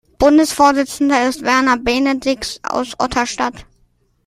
Bundesvorsitzender ist Werner Benedix aus Otterstadt.